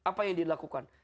apa yang dia lakukan